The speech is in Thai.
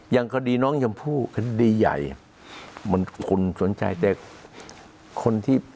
อย่างคดีน้องชมพู่คดีใหญ่มันคนสนใจแต่คนที่